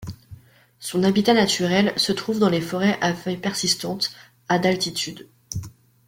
Son habitat naturel se trouve dans les forêts à feuilles persistantes, à d’altitude.